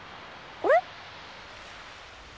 あれ？